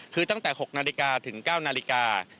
คือตั้งแต่๖นาฬิกาถึง๙นาฬิกา